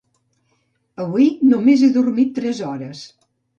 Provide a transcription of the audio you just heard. Avui només he dormit tres hores.